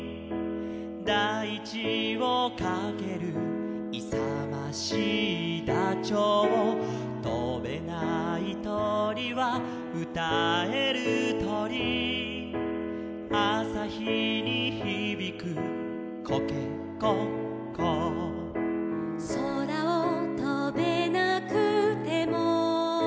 「だいちをかける」「いさましいダチョウ」「とべないとりはうたえるとり」「あさひにひびくコケコッコー」「そらをとべなくても」